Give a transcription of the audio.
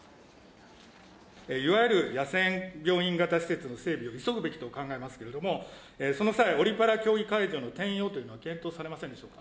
いわゆる野戦病院型施設の整備を急ぐべきと考えますけれども、その際、オリパラ競技会場の転用というのは検討されませんでしょうか。